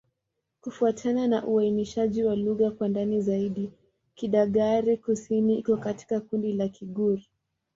Kufuatana na uainishaji wa lugha kwa ndani zaidi, Kidagaare-Kusini iko katika kundi la Kigur.